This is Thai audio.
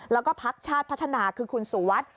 แล้วก็พักชาติพัฒนาคือคุณสุวัสดิ์